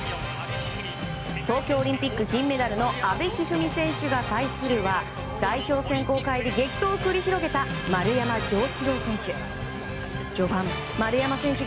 東京オリンピック金メダルの阿部一二三選手が対するは代表選考会で激闘を繰り広げた丸山城志郎選手。